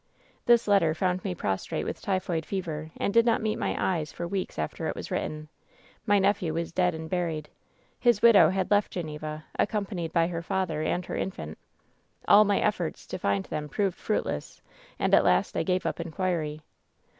This letter found me prostrate with typhoid fever, and did not meet my eyes for weeks after it was written. My nephew was dead and buried. His widow had left Geneva, accompanied by her father and her infant. All my efforts to find them proved fruitless, and at last I gave up inquiry.